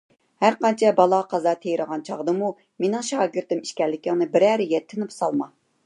ھەرقانچە بالا - قازا تېرىغان چاغدىمۇ، مېنىڭ شاگىرتىم ئىكەنلىكىڭنى بىرەرىگە تىنىپ سالما.